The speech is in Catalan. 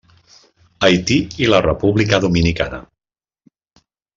Haití i la República Dominicana.